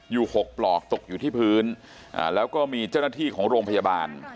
หกปลอกตกอยู่ที่พื้นแล้วก็มีเจ้าหน้าที่ของโรงพยาบาล